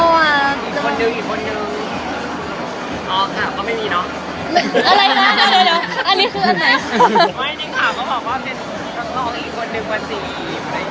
คนล้างขีดขาดมากก็ไม่เคยมี